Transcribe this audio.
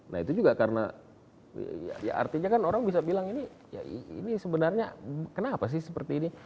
nah itu juga karena ya artinya kan orang bisa bilang ini ya ini sebenarnya kenapa sih seperti ini